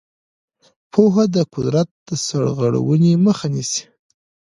پوهه د قدرت د سرغړونې مخه نیسي.